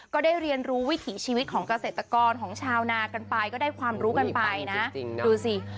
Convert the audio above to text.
ก็ได้เรียนรู้วิถีชีวิตของเกษตรกรของชาวนากันไปก็ได้ความรู้กันไปนะดูสิ